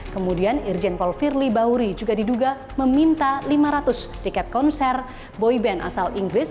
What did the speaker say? kemudian irjen paul firly bahuri juga diduga meminta lima ratus tiket konser boyband asal inggris